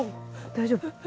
大丈夫？